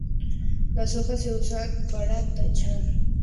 Las hojas se usan para techar casas y cabañas.